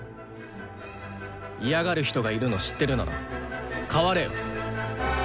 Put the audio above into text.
嫌がる人がいるの知ってるなら変われよ。